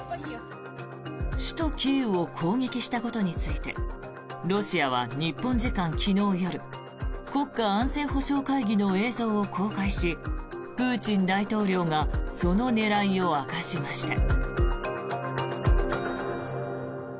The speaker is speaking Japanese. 首都キーウを攻撃したことについてロシアは日本時間昨日夜国家安全保障会議の映像を公開しプーチン大統領がその狙いを明かしました。